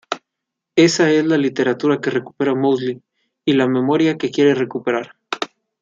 Esa es la literatura que recupera Mosley y la memoria que quiere recuperar.